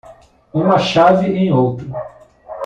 Uma chave em outra.